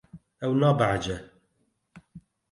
Ew nabehece.